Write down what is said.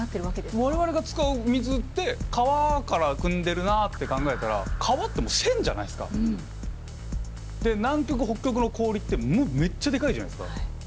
我々が使う水って川からくんでるなって考えたらで南極北極の氷ってもうめっちゃでかいじゃないっすか。